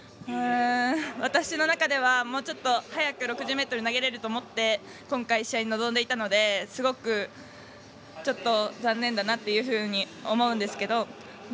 私の中ではもうちょっと早く６０ｍ投げれると思って今回、試合に臨んでいたのですごく、残念だなというふうに思うんですけど。